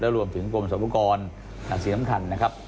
แล้วรวมถึงกลมศัพทุกรสีอำคัญนะครับ